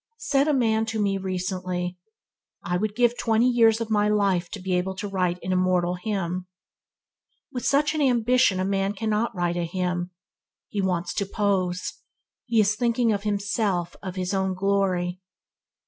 Said a man to me recently, "I would give twenty years of my life to be able to write an immortal hymn." With such an ambition a man cannot write a hymn. He wants to pose. He is thinking of himself, of his own glory.